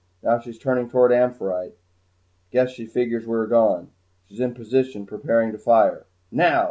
Now she's turning toward 'Amphitrite.' Guess she figures we are gone. She's in position preparing to fire. _Now!